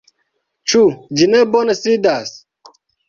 Ĉu ĝi ne bone sidas?